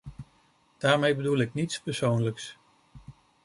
Daarmee bedoel ik niets persoonlijks.